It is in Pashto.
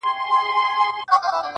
په دا منځ كي باندي تېر سول لس كلونه٫